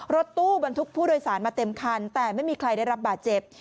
รถตู้บรรทุกผู้โดยสารมาเต็มคันแต่ไม่มีใครได้รับบาดเจ็บ